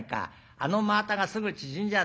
あの真綿がすぐ縮んじゃう。